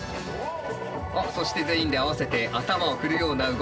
そして全員で合わせて頭を振るような動き。